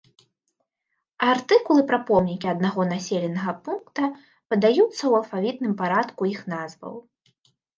Артыкулы пра помнікі аднаго населенага пункта падаюцца ў алфавітным парадку іх назваў.